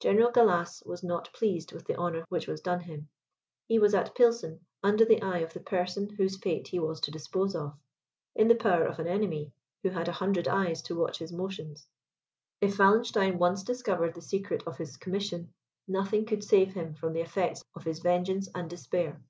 General Gallas was not pleased with the honour which was done him. He was at Pilsen, under the eye of the person whose fate he was to dispose of; in the power of an enemy, who had a hundred eyes to watch his motions. If Wallenstein once discovered the secret of his commission, nothing could save him from the effects of his vengeance and despair.